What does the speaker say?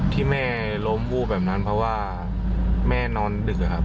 ที่แม่ล้มวูบแบบนั้นเพราะว่าแม่นอนดึกอะครับ